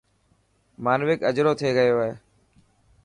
مانوڪ اجرو ٿي گيو هي.